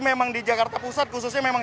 memang di jakarta pusat khususnya memang